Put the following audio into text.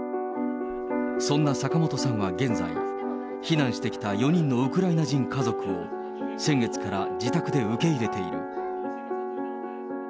そんな坂本さんは現在、避難してきた４人のウクライナ人家族を、先月から自宅で受け入れている。